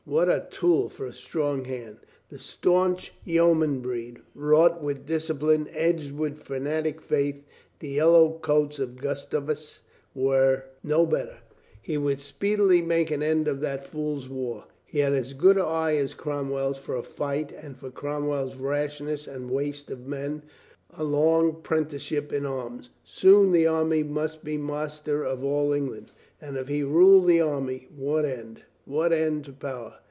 What a tool for a strong hand ! The stanch yeo man breed, wrought with discipline, edged with fanatic faith ! The vellow coats of Gustavus were LUCINDA AGAIN AN INSPIRATION 341 no better. He would speedily make an end of that fools' war. He had as good an eye as Cromwell's for a fight arid for Cromwell's rashness and waste of men, a long prenticeship in arms. Soon the army must be master of all England, and if he ruled the army — what end, what end to power?